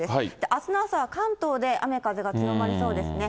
あすの朝は関東で雨風が強まりそうですね。